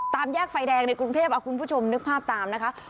แยกไฟแดงในกรุงเทพคุณผู้ชมนึกภาพตามนะคะ